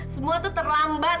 semua tuh terlambat